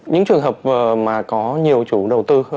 những trường hợp mà có nhiều chủ đầu tư